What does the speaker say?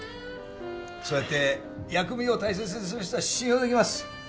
そうやって薬味を大切にする人は信用できます。